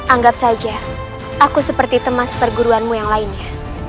anggap saja aku seperti teman perguruanmu yang lainnya